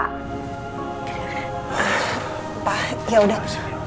oke pak yaudah